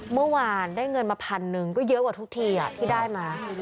เมื่อวานได้เงินมาพันหนึ่งก็เยอะกว่าทุกทีที่ได้มา